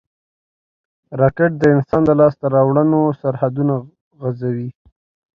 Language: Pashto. راکټ د انسان د لاسته راوړنو سرحدونه غځوي